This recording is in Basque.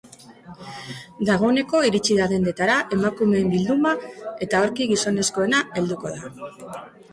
Dagoeneko iritsi da dendetara emakumeen bilduma eta aurki gizonezkoena helduko da.